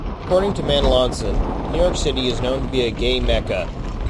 According to Manalansan, New York City is known to be a gay Mecca.